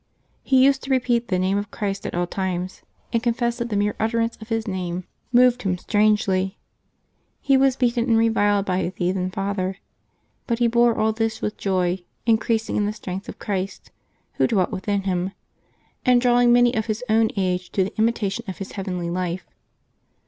He used to repeat the name of Christ at all times, and confessed that the mere utterance of this name moved him 198 LIVES OF TEE SAINTS [Mat 30 strangely. He was beaten and reriled. by his heathen father. But he bore all this with joy, increasing in the strength of Christ, Who dwelt within him, and drawing many of his own age to the imitation of his heavenly life.